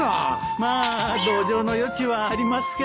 まあ同情の余地はありますけど。